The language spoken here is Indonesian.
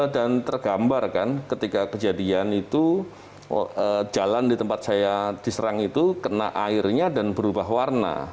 dan tergambar kan ketika kejadian itu jalan di tempat saya diserang itu kena airnya dan berubah warna